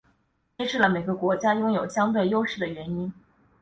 揭示了每个国家拥有相对优势的原因。